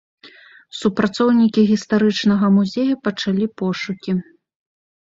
Супрацоўнікі гістарычнага музея пачалі пошукі.